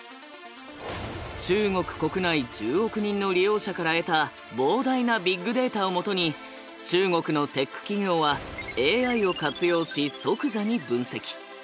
中国国内１０億人の利用者から得た膨大なビッグデータをもとに中国のテック企業はＡＩを活用し即座に分析。